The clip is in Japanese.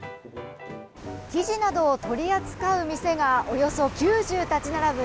生地などを取り扱う店がおよそ９０立ち並ぶ